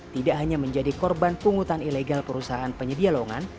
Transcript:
tidak hanya menjadi korban pungutan ilegal perusahaan penyedia lowongan